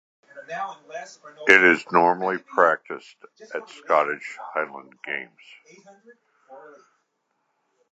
It is normally practised at the Scottish Highland Games.